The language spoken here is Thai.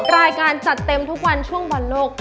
รายการจัดเต็มทุกวันช่วงบอลโลก